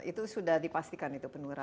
itu sudah dipastikan itu penurunan